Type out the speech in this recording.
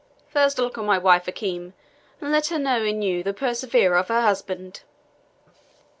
"First look on my wife, Hakim, and let her know in you the preserver of her husband."